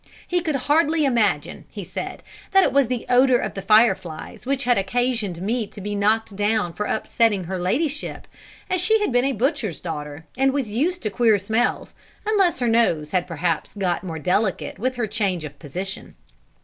He could hardly imagine, he said, that it was the odour of the "fire flies" which had occasioned me to be knocked down for upsetting her ladyship, as she had been a butcher's daughter, and was used to queer smells, unless her nose had perhaps got more delicate with her change of position.